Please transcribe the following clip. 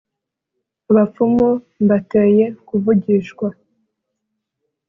abapfumu mbateye kuvugishwa,